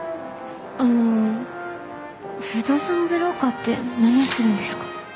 あの不動産ブローカーって何をするんですか？